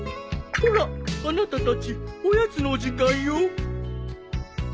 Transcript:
ほらあなたたちおやつの時間よ。